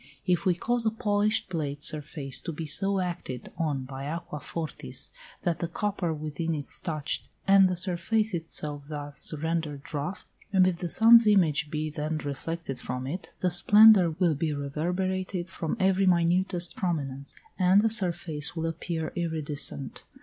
If we cause a polished plated surface to be so acted on by aqua fortis that the copper within is touched, and the surface itself thus rendered rough, and if the sun's image be then reflected from it, the splendour will be reverberated from every minutest prominence, and the surface will appear iridescent.